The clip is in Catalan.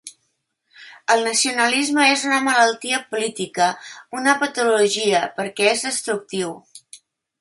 El nacionalisme és una malaltia política, una patologia, perquè és destructiu.